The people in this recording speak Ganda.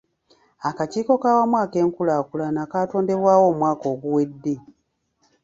Akakiiko ak'awamu ak'enkulaakulana kaatondebwawo omwaka oguwedde.